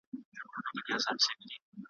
ناست ما فوقه د رتبو یم